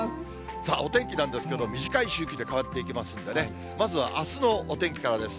さあ、お天気なんですけれども、短い周期で変わっていきますんでね、まずはあすのお天気からです。